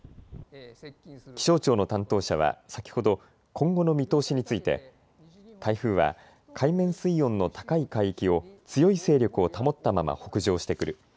気象庁の担当者は先ほど今後の見通しについて、台風は海面水温の高い海域を強い勢力を保ったまま北上してくる。